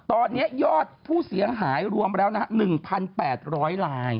ตอนนี้ยอดผู้เสียหายรวมแล้วนะฮะ๑๘๐๐ลาย